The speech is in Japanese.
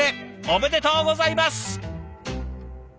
おめでとうございます！